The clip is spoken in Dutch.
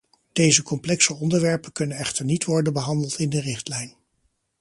Deze complexe onderwerpen kunnen echter niet worden behandeld in de richtlijn.